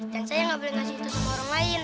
dan saya gak boleh ngasih itu sama orang lain